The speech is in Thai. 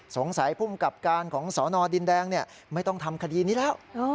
สงสัยผู้กับการของสอนอดินแดงเนี่ยไม่ต้องทำคดีนี้แล้ว